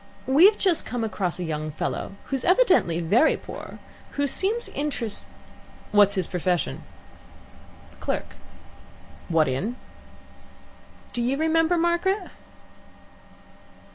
We've just come across a young fellow, who's evidently very poor, and who seems interest " "What's his profession?" "Clerk." "What in?" "Do you remember, Margaret?"